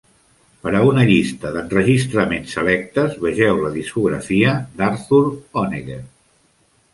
Per a una llista d'enregistraments selectes, vegeu la discografia d'Arthur Honegger.